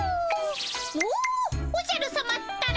もうおじゃるさまったら。